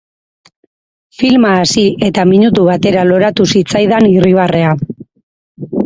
Filma hasi eta minutu batera loratua zitzaidan irribarrea.